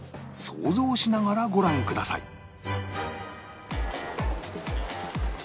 想像しながらご覧ください